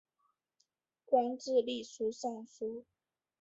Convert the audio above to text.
官至吏部尚书。